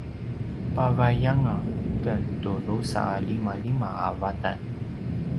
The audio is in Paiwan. pavaiyanga ken tu drusa a limalima a vatan